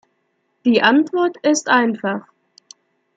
Die Antwort ist einfach.